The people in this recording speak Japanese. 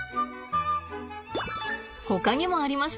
ほかにもありました。